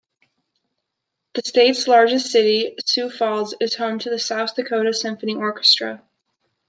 The state's largest city, Sioux Falls, is home to the South Dakota Symphony Orchestra.